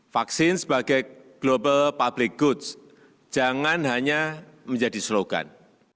vaksin sebagai global public goods jangan hanya menjadi slogan